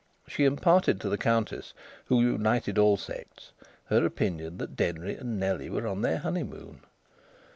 She imparted to the Countess (who united all sects) her opinion that Denry and Nellie were on their honeymoon.